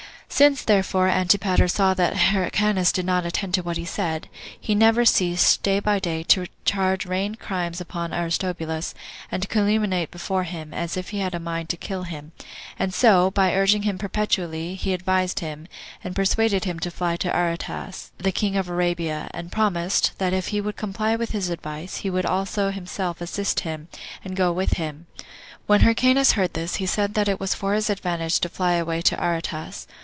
4. Since therefore Antipater saw that Hyrcanus did not attend to what he said, he never ceased, day by day, to charge reigned crimes upon Aristobulus, and to calumniate him before him, as if he had a mind to kill him; and so, by urging him perpetually, he advised him, and persuaded him to fly to Aretas, the king of Arabia; and promised, that if he would comply with his advice, he would also himself assist him and go with him. When Hyrcanus heard this, he said that it was for his advantage to fly away to Aretas.